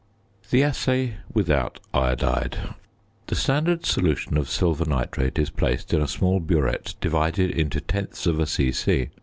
~The assay without iodide.~ The standard solution of silver nitrate is placed in a small burette divided into tenths of a c.c.